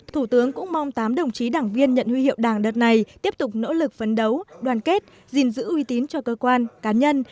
thủ tướng cũng mong tám đồng chí đảng viên nhận huy hiệu đảng đợt này tiếp tục nỗ lực phấn đấu đoàn kết gìn giữ uy tín cho cơ quan cá nhân